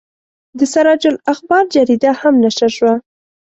د سراج الاخبار جریده هم نشر شوه.